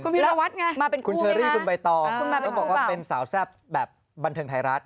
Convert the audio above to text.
คุณพิรวัตรไงมาเป็นคุณเชอรี่คุณใบตองต้องบอกว่าเป็นสาวแซ่บแบบบันเทิงไทยรัฐ